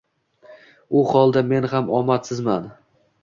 U holda men ham omadsizman